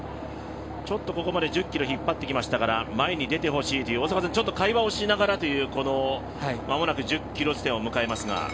ここまで１０ｋｍを引っ張ってきましたからちょっと前に出てほしいというような会話をしながらこの間もなく１０ｋｍ地点を迎えますが。